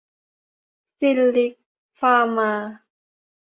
ซิลลิคฟาร์มา